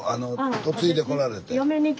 嫁いでこられて。